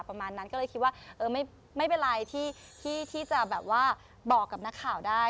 ประมาณนั้นก็เลยคิดว่าเออไม่เป็นไรที่จะแบบว่าบอกกับนักข่าวได้